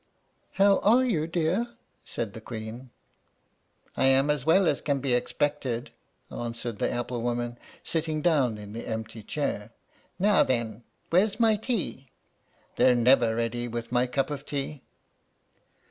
"How are you, dear?" said the Queen. "I am as well as can be expected," answered the apple woman, sitting down in the empty chair. "Now, then, where's my tea? They're never ready with my cup of tea."